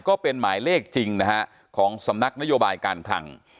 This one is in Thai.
ก็เป็นหมายเลขจริงนะฮะของสำนักนโยบายการคลัง